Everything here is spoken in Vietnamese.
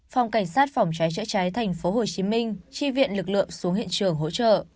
phòng cảnh sát phòng trái chữa trái tp hcm tri viện lực lượng xuống hiện trường hỗ trợ